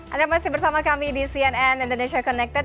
anda masih bersama kami di cnn indonesia connected